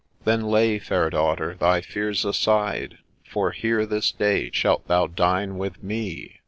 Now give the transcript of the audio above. * Then lay, Fair Daughter, thy fears aside, For here this day shalt thou dine with me